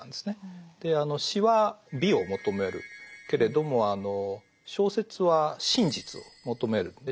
で詩は美を求めるけれども小説は真実を求める。